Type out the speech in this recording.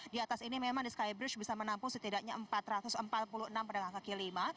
di atas ini memang di skybridge bisa menampung setidaknya empat ratus empat puluh enam pedagang kaki lima